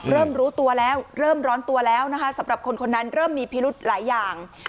เริ่มรู้ตัวแล้วเริ่มร้อนตัวแล้วนะคะสำหรับคนคนนั้นเริ่มมีพิรุธหลายอย่าง